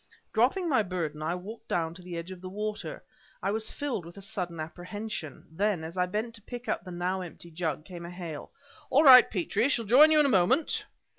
Dropping my burden, I walked down to the edge of the water. I was filled with a sudden apprehension. Then, as I bent to pick up the now empty jug, came a hail: "All right, Petrie! Shall join you in a moment!"